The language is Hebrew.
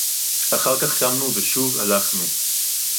אַחַר כָּךְ קַמְנוּ וְשׁוּב הָלַכְנוּ.